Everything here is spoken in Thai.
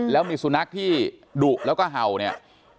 แล้วมีสุนัขที่ดุแล้วก็เห่าเนี่ย